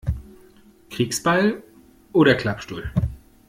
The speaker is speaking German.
Kriegsbeil oder Klappstuhl?